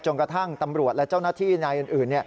กระทั่งตำรวจและเจ้าหน้าที่นายอื่น